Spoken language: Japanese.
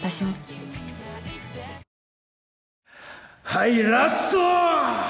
はいラスト！